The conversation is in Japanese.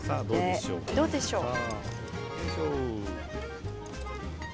どうでしょうか。